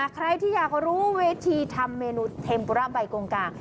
ใครที่อยากรู้เวทีทำเมนูเทมปุระใบกงกลาง